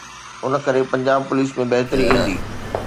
ان ڪري پنجاب پوليس ۾ بهتري ايندي.